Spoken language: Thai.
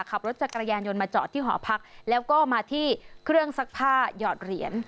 ขับรถจักรยานยนต์มาจอดที่หอพักแล้วก็มาที่เครื่องซักผ้าหยอดเหรียญ